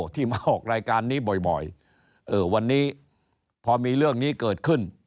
ที่มาออกรายการนี้บ่อยวันนี้พอมีเรื่องนี้เกิดขึ้น